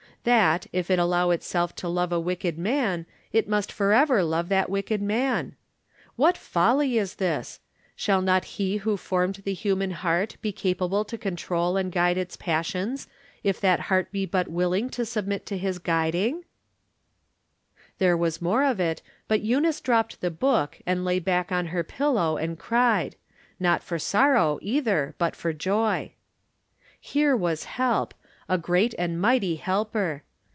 that, if it allow itself to love a wicked man, it must forever love that wicked man ? What foUy is this ! Shall not He who formed the human heart be able to control and guide its passions, if that heart be but willing to submit to His guiding ?" 314 From Different Standpoints. There was more of it, but Eunice dropped the book, and lay back on her pillow and cried ; not for sorrow, either, but for joy. Here was help — a great and mighty Helper.